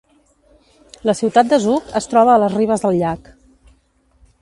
La ciutat de Zug es troba a les ribes del llac.